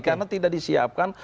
karena tidak disiapkan